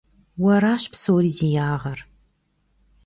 Уэращ псори зи ягъэр!